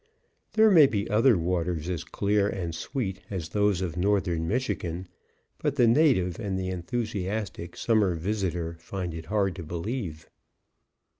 There may be other waters as clear and sweet as those of northern Michigan, but the native and the enthusiastic summer visitor find it hard to believe.